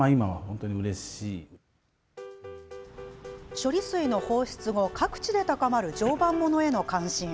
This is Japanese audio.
処理水の放出後各地で高まる常磐ものへの関心。